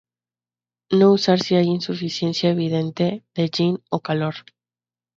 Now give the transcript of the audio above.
No usar si hay insuficiencia evidente de Yin o calor.